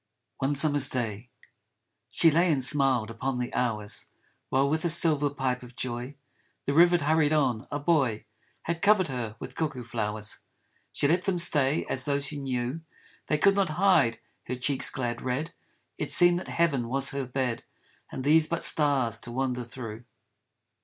66 ONE SUMMER'S DAY SHE lay and smiled upon the hours, While with his silver pipe of joy The river hurried on ; a boy Had covered her with cuckoo flowers. She let them stay as though she knew They could not hide her cheek's glad red, It seemed that heaven was her bed And these but stars to wander through.